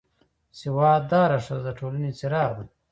سواد داره ښځه د ټولنې څراغ ده